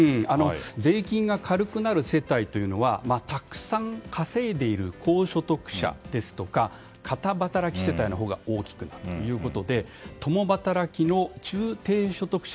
税金が軽くなる世帯というのはたくさん稼いでいる高所得者や片働き世帯のほうが大きくなるということで共働きの中低所得者